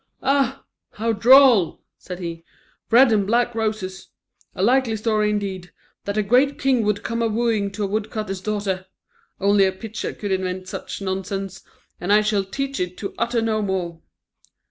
"Ah! how droll," said he, "red and black roses! A likely story, indeed, that a great king would come a wooing to a woodcutter's daughter! Only a pitcher could invent such nonsense, and I shall teach it to utter no more."